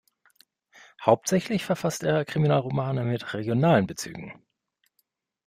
Hauptsächlich verfasst er Kriminalromane mit regionalen Bezügen.